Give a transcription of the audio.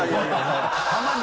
たまに？